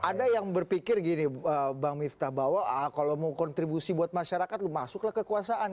ada yang berpikir gini bang miftah bahwa kalau mau kontribusi buat masyarakat lo masuklah kekuasaan